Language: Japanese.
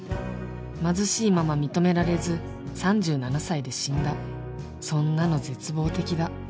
貧しいまま認められず３７歳で死んだそんなの絶望的だ